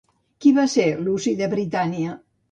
Qui va ser Luci de Britània?